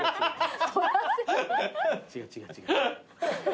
違う違う違う。